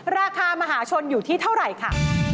ราคามหาชนอยู่ที่เท่าไหร่ค่ะ